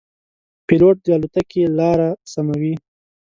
پیلوټ د الوتکې لاره سموي.